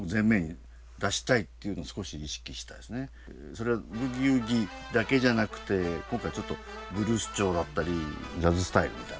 それはブギウギだけじゃなくて今回ちょっとブルース調だったりジャズスタイルみたいなね